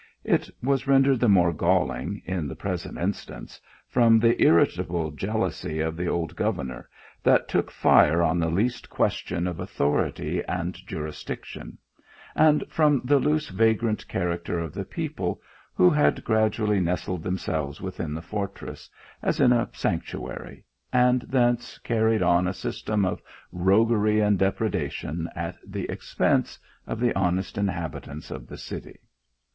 It was rendered the more galling in the present instance, from the irritable jealousy of the old governor, that took fire on the least question of authority and jurisdiction, and from the loose vagrant character of the people that had THE GOVERNOR AND THE NOTARY. 243 gradually nestled themselves within the fortress a ; in a sanctuary, and from thence carried on a system of roguery and depredation at the expense of the honest inhabitants of the city.